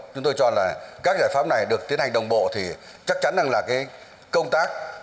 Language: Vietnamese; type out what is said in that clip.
chúng tôi cho là các giải pháp này được tiến hành đồng bộ thì chắc chắn rằng là cái công tác